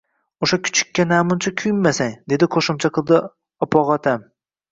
– O‘sha kuchukka namuncha kuyunmasang! – deb qo‘shimcha qildi opog‘otam